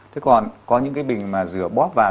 thế còn có những cái bình mà rửa bóp vào